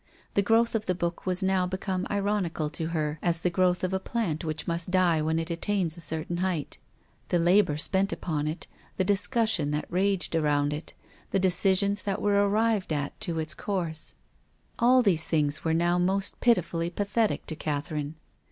The growth of the book was now become ironical to her as the growth of a plant which must die when it attains a certain height ; the labour spent upon it, the discussion that raged around it, the decisions that were arrived at as to its course — all these 174 TONGUES OF CONSCIENCE. things were now most pitifully pathetic to Cath erine.